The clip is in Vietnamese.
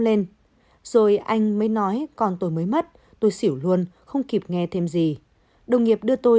lên rồi anh mới nói còn tôi mới mất tôi xỉu luôn không kịp nghe thêm gì đồng nghiệp đưa tôi